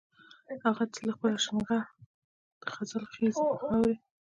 هغه ته د خپل اشنغر د غزل خيزې خاورې